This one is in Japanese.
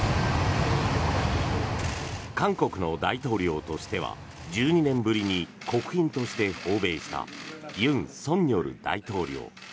韓国の大統領としては１２年ぶりに国賓として訪米した尹錫悦大統領。